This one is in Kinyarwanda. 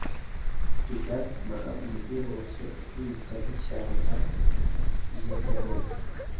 ibyo byatumaga umujyi wose uhinduka nk'ishyamba iy'agahozo.